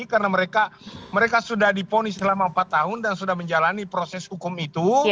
karena mereka sudah diponis selama empat tahun dan sudah menjalani proses hukum itu